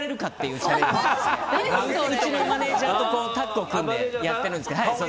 うちのマネジャーとタックを組んでやってるんですけど。